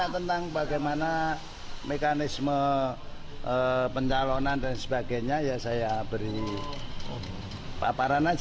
tentang bagaimana mekanisme pencalonan dan sebagainya ya saya beri paparan aja